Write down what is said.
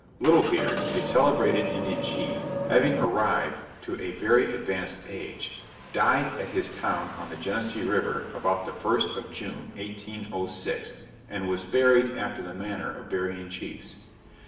Little Beard, a celebrated Indian Chief, having arrived to a very advanced age, died at his town on the Genesee river about the first of June, 1806, and was buried after the manner of burying chiefs.